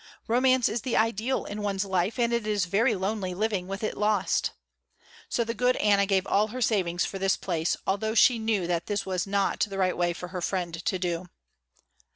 Romance is the ideal in one's life and it is very lonely living with it lost. So the good Anna gave all her savings for this place, although she knew that this was not the right way for her friend to do.